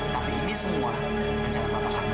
tapi ini semua berkata kata bapak aku sendiri